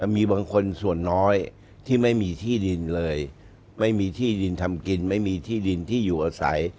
มีบางคนส่วนน้อยที่ไม่มีที่ดินเลยไม่มีที่ดินทำกินไม่มีที่ดินที่อยู่อาศัย